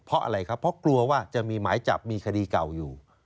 เพราะอะไรครับเพราะกลัวว่าจะมีหมายจับมีคดีเก่าอยู่